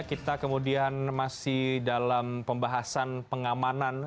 kita kemudian masih dalam pembahasan pengamanan